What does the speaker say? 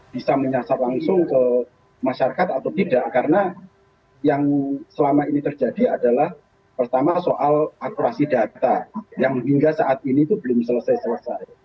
bisa menyasar langsung ke masyarakat atau tidak karena yang selama ini terjadi adalah pertama soal akurasi data yang hingga saat ini itu belum selesai selesai